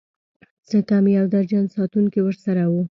څه کم يو درجن ساتونکي ورسره وو.